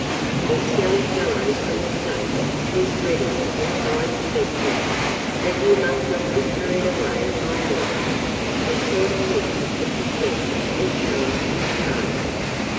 "This young fellow from the States was ready with fine speeches, but you must not be carried away by them ..." He caught a hint of dissent and changed his tone.